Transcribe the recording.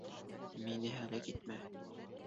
Мине һәләк итмә.